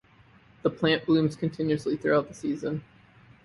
The plant blooms continuously throughout the season.